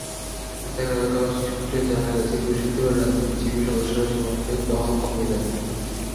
স্থানীয় এলাকাবাসী সূত্রে জানা গেছে, বৃহস্পতিবার রাতে বিজিবির সদস্যরা সীমান্তে টহল কমিয়ে দেন।